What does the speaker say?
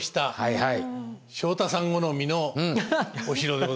はい。